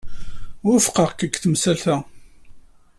Wufqeɣ-k deg temsalt-a.